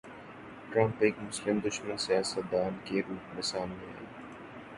Trump ایک مسلم دشمن سیاست دان کے روپ میں سامنے آئے۔